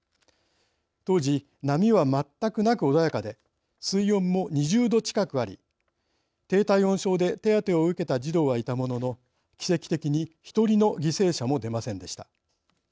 当時、波は全くなく穏やかで水温も２０度近くあり低体温症で手当てを受けた児童はいたものの、奇跡的に１人の犠牲者も出ませんでした。